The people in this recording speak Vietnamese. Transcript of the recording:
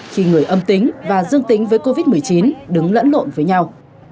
khi người âm tính và dương tính với covid một mươi chín đứng lẫn lộn với nhau